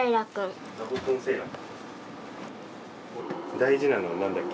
大事なのは何だっけ？